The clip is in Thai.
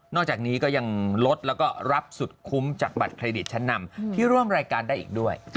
จากนี้ก็ยังลดแล้วก็รับสุดคุ้มจากบัตรเครดิตชั้นนำที่ร่วมรายการได้อีกด้วย